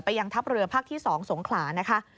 ยังทัพเรือภาคที่๒สงขลานะคะ